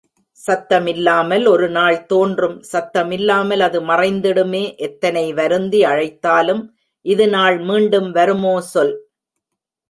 சத்தமில்லாமல் ஒருநாள் தோன்றும் சத்தமிலாமல் அது மறைந்திடுமே எத்தனை வருந்தி அழைத்தாலும் இதுநாள் மீண்டும் வருமோ சொல்?